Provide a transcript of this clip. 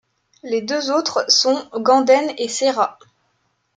Les deux autres sont Ganden et Séra.